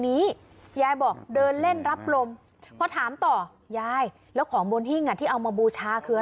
ไม่อยากให้แม่เป็นอะไรไปแล้วนอนร้องไห้แท่ทุกคืน